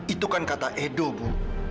itu kan kata edo bu